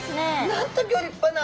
なんとギョ立派な！